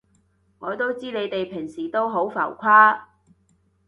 我都知你哋平時都好浮誇